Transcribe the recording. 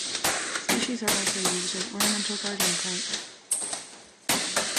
Species are also used as ornamental garden plants.